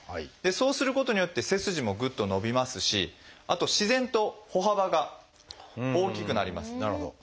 そうすることによって背筋もぐっと伸びますしあと自然と歩幅が大きくなります。